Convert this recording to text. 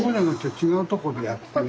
違うとこでやっててね